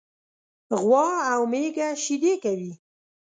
غوا او میږه شيدي کوي.